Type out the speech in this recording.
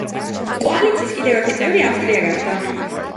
კოალიციის კიდევ ერთი წევრი ავსტრია გახდა.